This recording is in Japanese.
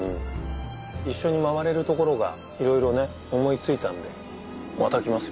一緒に回れる所がいろいろ思い付いたんでまた来ますよ。